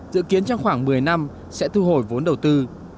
dự kiến trong khoảng một mươi năm sẽ thu hồi vốn đầu tư